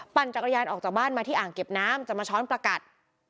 จักรยานออกจากบ้านมาที่อ่างเก็บน้ำจะมาช้อนประกัด